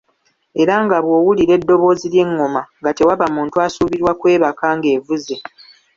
Era nga bw'owulira eddoboozi ly'engoma, nga tewaba muntu asuubirwa kwebaka ng'evuze.